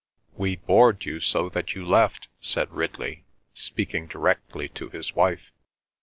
"We bored you so that you left," said Ridley, speaking directly to his wife.